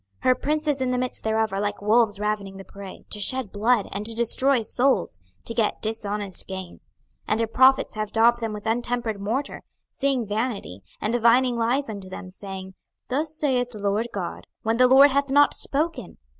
26:022:027 Her princes in the midst thereof are like wolves ravening the prey, to shed blood, and to destroy souls, to get dishonest gain. 26:022:028 And her prophets have daubed them with untempered morter, seeing vanity, and divining lies unto them, saying, Thus saith the Lord GOD, when the LORD hath not spoken.